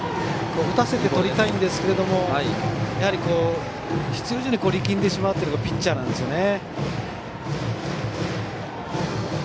打たせてとりたいんですがやはり、必要以上に力んでしまうのがピッチャーなんですね。